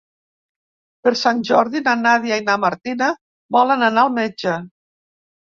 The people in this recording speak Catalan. Per Sant Jordi na Nàdia i na Martina volen anar al metge.